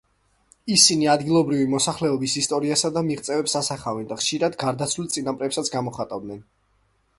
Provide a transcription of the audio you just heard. ისინი ადგილობრივი მოსახლეობის ისტორიასა და მიღწევებს ასახავენ და ხშირად გარდაცვლილ წინაპრებსაც გამოხატავდნენ.